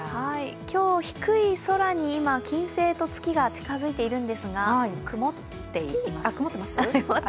今日、低い空に今、金星と月が近づいているんですが。